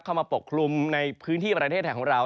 เข้ามาปกคลุมในพื้นที่ประเทศแถวของเรา